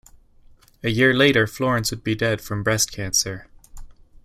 A year later Florence would be dead from breast cancer.